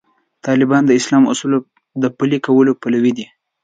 طالبان د اسلام د اصولو د پلي کولو پلوي دي.